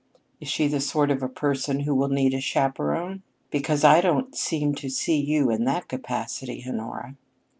"Is she the sort of a person who will need a chaperon? Because I don't seem to see you in that capacity, Honora."